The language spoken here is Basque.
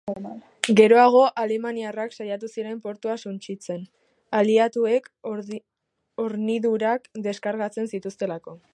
Geroago, alemaniarrak saiatu ziren portua suntsitzen, aliatuek hornidurak deskargatzen zituztelako.